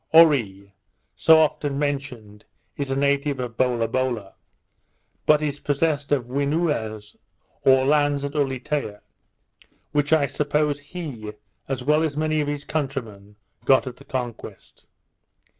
Oree, so often mentioned, is a native of Bolabola; but is possessed of Whenooas or lands at Ulietea; which I suppose he, as well as many of his countrymen, got at the conquest.